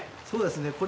そうですね